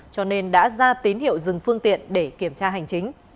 cho nên đã ra tín hiệu dừng phương tiện để kiểm tra hành chính